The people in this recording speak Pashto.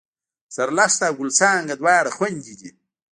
زرلښته او ګل څانګه دواړه خوېندې دي